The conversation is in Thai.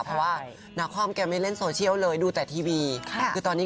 เพราะว่านาคอมแกไม่เล่นโซเชียลเลยดูแต่ทีวี